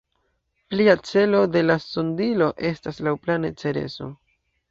Plia celo de la sondilo estas laŭplane Cereso.